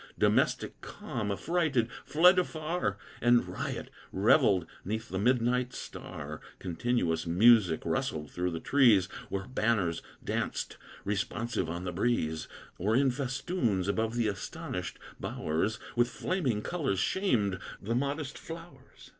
Domestic calm, affrighted, fled afar, And Riot revelled 'neath the midnight star; Continuous music rustled through the trees, Where banners danced responsive on the breeze; Or in festoons, above the astonished bowers, With flaming colors shamed the modest flowers.